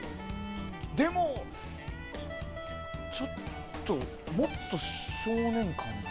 でも、ちょっともっと少年感がな。